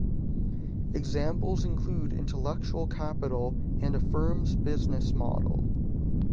Examples include intellectual capital and a firm's business model.